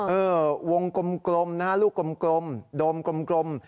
วงกลมนะฮะลูกกลมโดมกลม